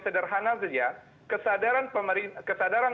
sederhana saja kesadaran